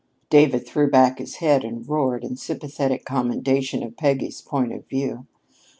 '" David threw back his head and roared in sympathetic commendation of Peggy's point of view.